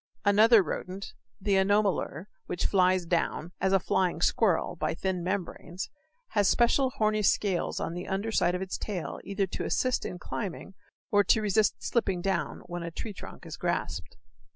Another rodent, the anomalure, which flies down, as a flying squirrel, by thin membranes, has special horny scales on the under side of its tail either to assist in climbing or to resist slipping down when a tree trunk is grasped.